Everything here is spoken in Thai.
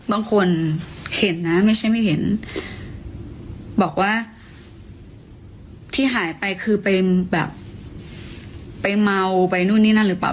บางคนเห็นนะไม่ใช่ไม่เห็นบอกว่าที่หายไปคือไปแบบไปเมาไปนู่นนี่นั่นหรือเปล่า